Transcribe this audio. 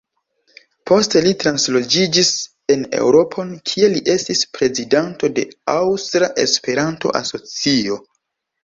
Poste li transloĝiĝis en Eŭropon, kie li estis prezidanto de “Aŭstra Esperanto-Asocio”.